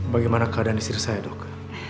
bagaimana keadaan istri saya dok